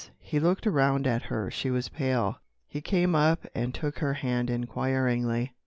He looked around at her. She was pale. He came up and took her hand inquiringly.